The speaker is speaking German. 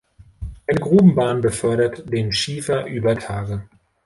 Eine Grubenbahn befördert den Schiefer über Tage.